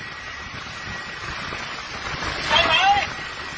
อยากเตี้ยหมัก